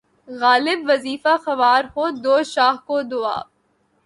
غالبؔ! وظیفہ خوار ہو‘ دو شاہ کو دعا